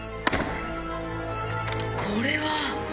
これは！